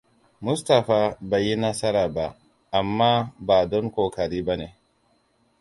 Mustapha bai yi nasara ba, amma ba don ƙoƙari ba ne.